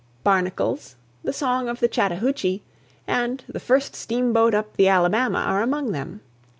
"Barnacles," "The Song of the Chattahoochee," and "The First Steamboat Up the Alabama" are among them.